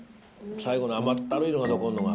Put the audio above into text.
最後の甘ったるいのが残るのが。